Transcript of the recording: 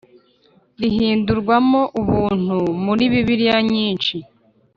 rihindurwamo “ubuntu” muri Bibiliya nyinsh